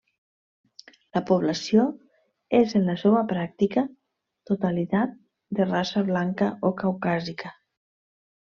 La població és en la seua pràctica totalitat de raça blanca o caucàsica.